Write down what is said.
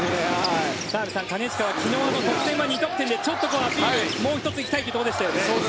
澤部さん金近は昨日の得点は２得点でちょっとアピール、もう一つ行きたいところでしたよね。